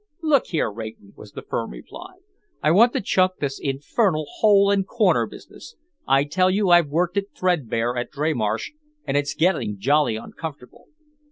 "Look here, Rayton," was the firm reply, "I want to chuck this infernal hole and corner business. I tell you I've worked it threadbare at Dreymarsh and it's getting jolly uncomfortable."